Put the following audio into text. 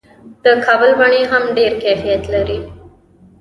د کابل مڼې هم ډیر کیفیت لري.